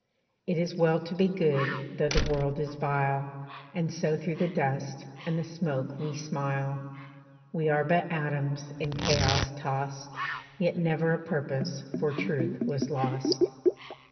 "It is well to be good though the world is vile, And so through the dust and the smoke we smile, "We are but atoms in chaos tossed, Yet never a purpose for truth was lost."